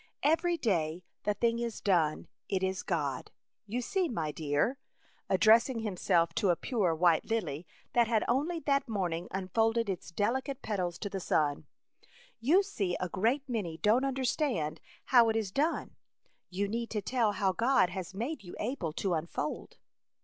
Every day the thing is done: it is God.' You see, my dear," addressing him self to a pure white lily that had only that morning unfolded its deli cate petals to the sun, "you see a great many don't understand how it is done. You need to tell how God has made you able to unfold."